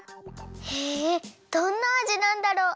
へえどんなあじなんだろう。